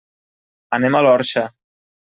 Anem a l'Orxa.